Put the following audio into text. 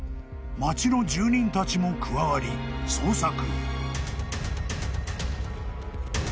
［町の住人たちも加わり捜索］